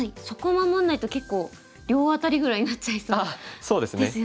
そこを守らないと結構両アタリぐらいになっちゃいそうな。